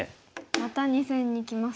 また２線にきますね。